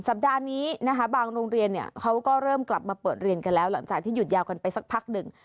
สัปดาห์นี้นะคะบางโรงเรียนเนี่ยเขาก็เริ่มกลับมาเปิดเรียนกันแล้วหลังจากที่หยุดยาวกันไปสักพักหนึ่ง